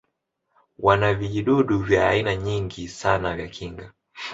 wana vijidudu vya aina nyingi sana vya kinga